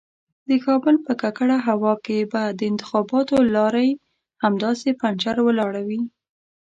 د کابل په ککړه هوا کې به د انتخاباتو لارۍ همداسې پنجر ولاړه وي.